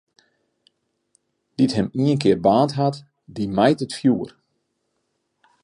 Dy't him ienkear baarnd hat, dy mijt it fjoer.